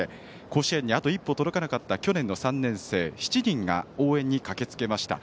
甲子園にあと一歩届かなかった去年の３年生、７人が応援に駆けつけました。